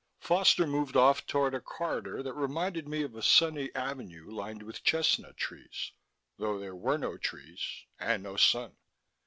Foster moved off toward a corridor that reminded me of a sunny avenue lined with chestnut trees though there were no trees, and no sun.